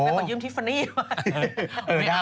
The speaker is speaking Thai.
ก็ยืมทิฟฟานี่มา